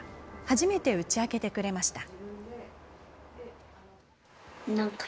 初めて打ち明けてくれました。